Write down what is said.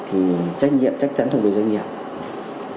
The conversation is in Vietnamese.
thì trách nhiệm chắc chắn thuộc về doanh nghiệp